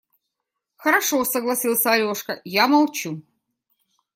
– Хорошо, – согласился Алешка, – я молчу.